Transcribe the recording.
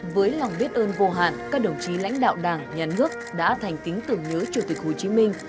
với lòng biết ơn vô hạn các đồng chí lãnh đạo đảng nhà nước đã thành kính tưởng nhớ chủ tịch hồ chí minh